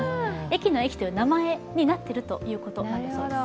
駅の駅という名前になっているということだそうです。